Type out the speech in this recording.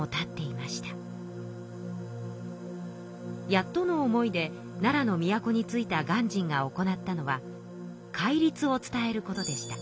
やっとの思いで奈良の都に着いた鑑真が行ったのは戒律を伝えることでした。